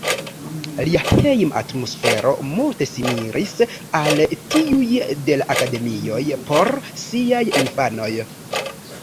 Lia hejma atmosfero multe similis al tiuj de la akademioj por siaj infanoj.